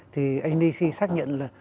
thì anh dc xác nhận là